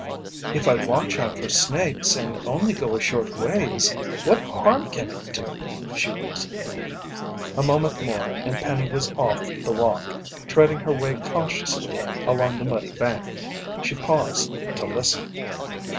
"If I watch out for snakes and only go a short ways, what harm can it do?" she reasoned. A moment more and Penny was off the walk, treading her way cautiously along the muddy bank. She paused to listen.